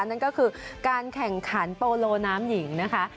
นั่นก็คือการแข่งขันโปโลน้ำหญิงนะคะ